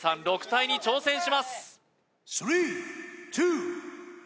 ６体に挑戦します